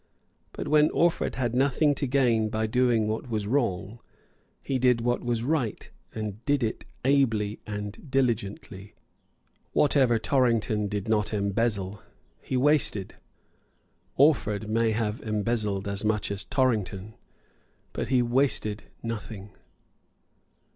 But, when Orford had nothing to gain by doing what was wrong, he did what was right, and did it ably and diligently. Whatever Torrington did not embezzle he wasted. Orford may have embezzled as much as Torrington; but he wasted nothing.